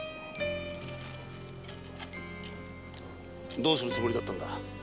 どうするつもりだったんだ？